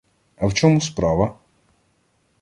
А в чому справа?